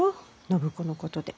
暢子のことで。